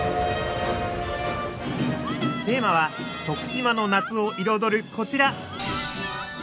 テーマは徳島の夏を彩るこちら！